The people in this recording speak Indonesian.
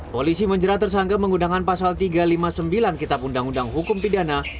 polisi menjerat tersangka menggunakan pasal tiga ratus lima puluh sembilan kitab undang undang hukum pidana